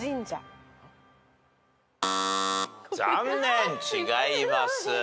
残念違います。